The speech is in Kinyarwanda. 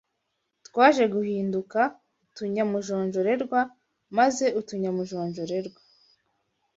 twaje guhinduka utunyamujonjorerwa maze utunyamujonjorerwa